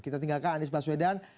kita tinggalkan andis baswedan